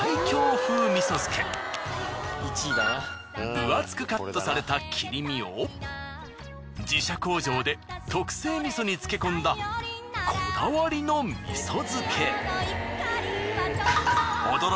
分厚くカットされた切り身を自社工場で特製味噌に漬け込んだこだわりの味噌漬け。